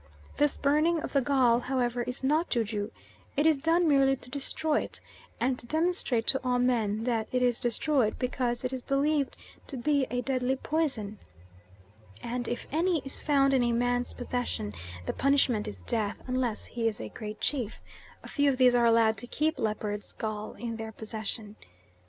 This burning of the gall, however, is not ju ju, it is done merely to destroy it, and to demonstrate to all men that it is destroyed, because it is believed to be a deadly poison, and if any is found in a man's possession the punishment is death, unless he is a great chief a few of these are allowed to keep leopards' gall in their possession.